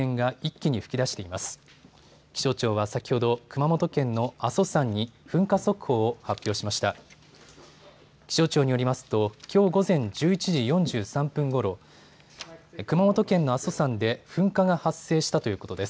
気象庁によりますときょう午前１１時４３分ごろ、熊本県の阿蘇山で噴火が発生したということです。